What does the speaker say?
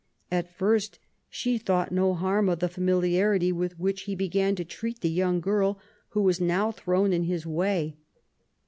At first, she thought no harm of the familiarity with which he began to treat the young girl who was now thrown in his way.